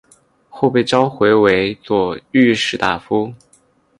后被召回为左御史大夫。